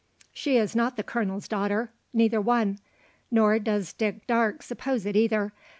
She is not the colonel's daughter neither one. Nor does Dick Darke suppose it either.